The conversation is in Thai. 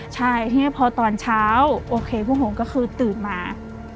ใช่ทีนี้พอตอนเช้าโอเคพวกผมก็คือตื่นมา